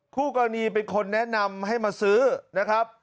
คู่กรณีเป็นคนแนะนำให้มาซื้อนะครับ